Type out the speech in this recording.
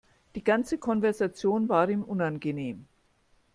Die ganze Konversation war ihm unangenehm.